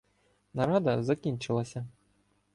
Нарада закінчилася.